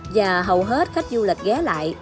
và hầu hết khách du lịch ghé lại